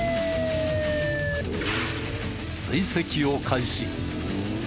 追跡を開始。